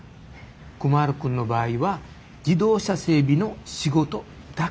クマラ君の場合は自動車整備の仕事だけ。